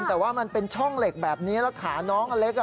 แต่ว่ามันเป็นช่องเหล็กแบบนี้แล้วขาน้องอเล็ก